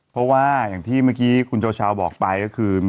เพราะว่าอย่างที่เมื่อกี้คุณชาวบอกไปก็คือ